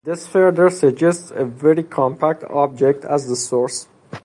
This further suggests a very compact object as the source.